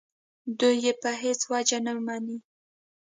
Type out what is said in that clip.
دوی یې په هېڅ وجه نه مني.